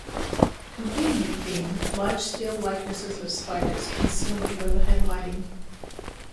Completing the theme, large steel likenesses of spiders conceal the overhead lighting.